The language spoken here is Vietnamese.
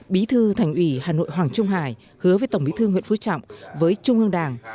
bí thư thành ủy hà nội hoàng trung hải hứa với tổng bí thư nguyễn phú trọng với trung ương đảng